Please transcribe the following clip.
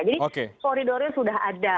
jadi koridornya sudah ada